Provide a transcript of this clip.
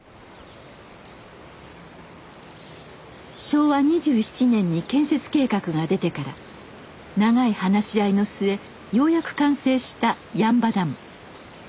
昭和２７年に建設計画が出てから長い話し合いの末ようやく完成した八ッ場ダム。